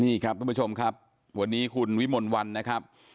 นี่ครับทุกผู้ชมครับวันนี้คุณวิมลวันนะครับ